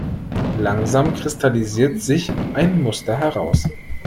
Langsam kristallisiert sich ein Muster heraus.